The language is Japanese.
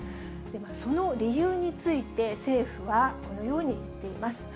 その理由について政府は、このようにいっています。